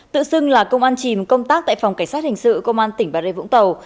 tự xưng là công an chìm công tác tại phòng cảnh sát hình sự công an tỉnh bà rê vũng tàu